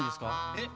えっ。